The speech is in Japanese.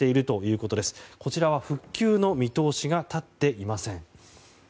こちらは復旧の見通しが立っていません。